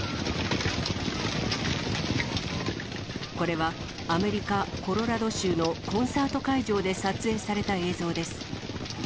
これはアメリカ・コロラド州のコンサート会場で撮影された映像です。